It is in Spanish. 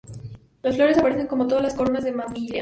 Las flores aparecen como todas las coronas de "Mammillaria".